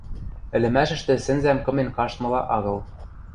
Ӹлӹмӓшӹштӹ сӹнзӓм кымен каштмыла агыл.